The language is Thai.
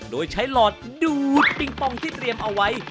โดยใช้หลอดดูดปิงปองที่เตรียมเอาไว้